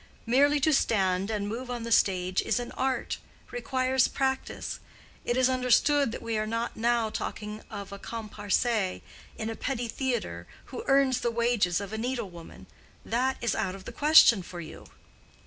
Merely to stand and move on the stage is an art—requires practice. It is understood that we are not now talking of a comparse in a petty theatre who earns the wages of a needle woman. That is out of the question for you."